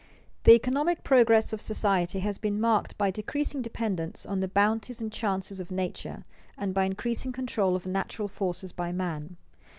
_The economic progress of society has been marked by decreasing dependence on the bounties and chances of nature and by increasing control of natural forces by man.